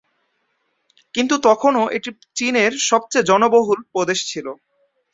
কিন্তু তখনও এটি চীনের সবচেয়ে জনবহুল প্রদেশ ছিল।